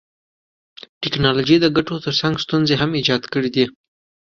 ټکنالوژي د ګټو تر څنګ ستونزي هم ایجاد کړيدي.